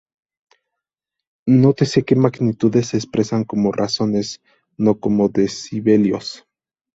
Nótese que magnitudes se expresan como razones, no como decibelios.